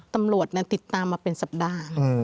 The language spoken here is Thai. ตำรวจนั้นติดตามมาเป็นสัปดาห์